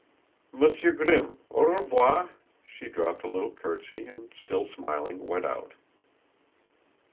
"Monsieur Grimm, au revoir!" She dropped a little curtsey, and still smiling, went out.